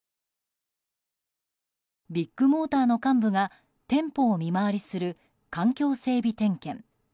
ビッグモーターの幹部が店舗を見回りする環境整備点検。